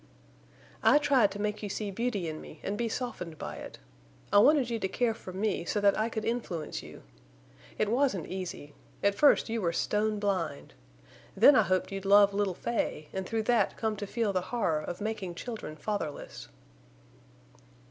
"I tried to make you see beauty in me and be softened by it. I wanted you to care for me so that I could influence you. It wasn't easy. At first you were stone blind. Then I hoped you'd love little Fay, and through that come to feel the horror of making children fatherless."